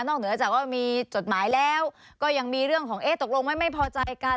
เหนือจากว่ามีจดหมายแล้วก็ยังมีเรื่องของเอ๊ะตกลงไม่พอใจกัน